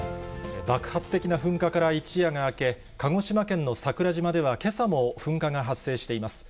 爆発的な噴火から一夜が明け、鹿児島県の桜島ではけさも噴火が発生しています。